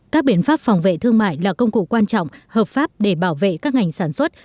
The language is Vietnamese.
các biện pháp phòng vệ thương mại là công cụ quan trọng hợp pháp để bảo vệ các ngành sản xuất